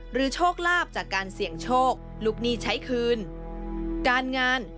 โชคลาภจากการเสี่ยงโชคลูกหนี้ใช้คืนการงาน